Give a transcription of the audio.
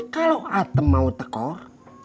kalau atem mau tekor